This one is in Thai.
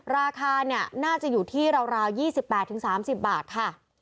ราคาน่าจะอยู่ที่ราว๒๘๓๐บาทค่ะ